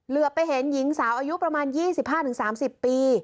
เหลือไปเห็นหญิงสาวอายุประมาณ๒๕๓๐ปี